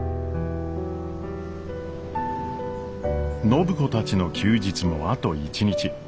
暢子たちの休日もあと一日。